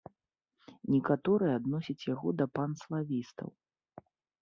Некаторыя адносяць яго да панславістаў.